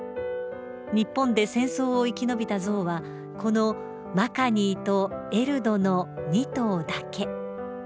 日本で戦争を生き延びた象は、このマカニーとエルドの２頭だけ。